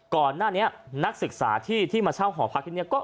ก่อนหน้านี้นักศึกษาที่มาเช่าหอพักที่นี่